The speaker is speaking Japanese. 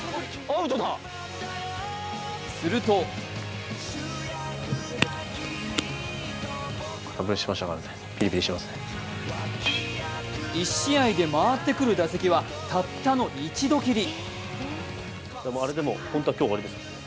すると１試合で回ってくる打席はたったの１度きり。